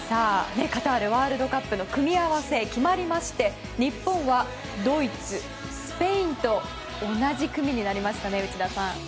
カタールワールドカップの組み合わせが決まりまして日本はドイツ、スペインと同じ組になりました、内田さん。